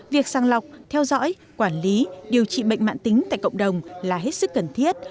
việc sang lọc theo dõi quản lý điều trị bệnh mạng tính tại cộng đồng là hết sức cần thiết